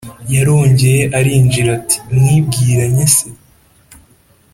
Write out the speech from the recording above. yarongeye arinjira ati"mwibwiranye se?"